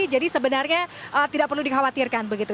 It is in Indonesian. jadi sebenarnya tidak perlu dikhawatirkan begitu